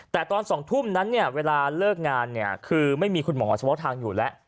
แต่ตอน๒ทุ่มนั้นเนี่ยเวลาเลิกงานเนี่ยคือไม่มีคุณหมอเฉพาะทางอยู่แล้ว